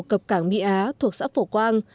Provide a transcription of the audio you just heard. cập cảng mỹ á thuộc xã phổ quang